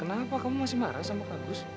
kenapa kamu masih marah sama kak gus